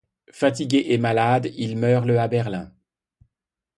Fatigué et malade, il meurt le à Berlin.